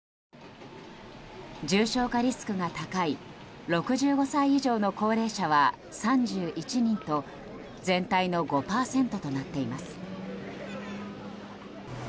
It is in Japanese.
重症化リスクが高い６５歳以上の高齢者は３１人と全体の５％となっています。